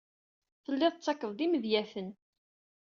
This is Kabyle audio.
Telliḍ tettakfeḍ-d imedyaten.